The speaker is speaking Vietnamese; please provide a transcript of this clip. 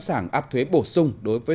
eu sẵn sàng áp thuế bổ sung đối với